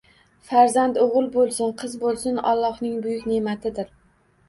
Farzand – o‘g‘il bo‘lsin, qiz bo‘lsin – Allohning buyuk ne’matidir.